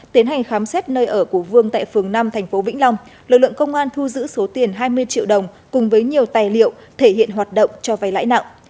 tiến hành khám xét nơi ở của vương tại phường năm tp vĩnh long lực lượng công an thu giữ số tiền hai mươi triệu đồng cùng với nhiều tài liệu thể hiện hoạt động cho vay lãi nặng